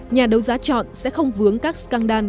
nhà đấu giá chọn sẽ không vướng các scandal